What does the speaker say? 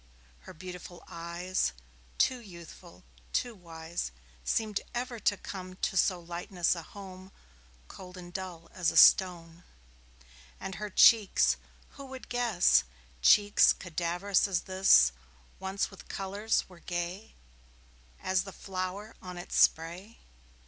Her beautiful eyes, Too youthful, too wise, Seemed ever to come To so lightless a home, Cold and dull as a stone. And her cheeks who would guess Cheeks cadaverous as this Once with colours were gay As the flower on its spray?